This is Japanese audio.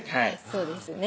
そうですね